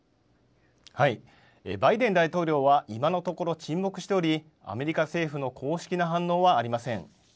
バイデン大統領は、今のところ沈黙しており、アメリカ政府の公式な反応はありません。